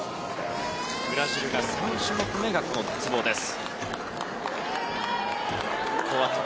ブラジル、３種目めが鉄棒です。